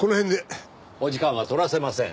お時間は取らせません。